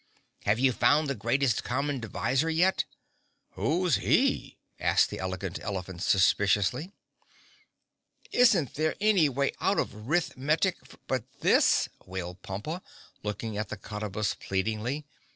"Have you found the Greatest Common Divisor yet?" "Who's he?" asked the Elegant Elephant suspiciously. "Isn't there any way out of Rith Metic but this?" wailed Pompa, looking at the Cottabus pleadingly.